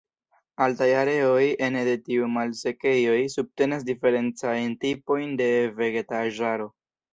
Altaj areoj ene de tiuj malsekejoj subtenas diferencajn tipojn de vegetaĵaro.